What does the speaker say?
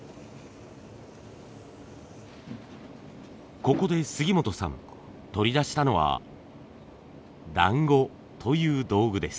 ここで杉本さん取り出したのは「団子」という道具です。